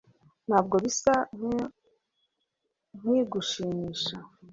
Ntabwo bisa nkigushimisha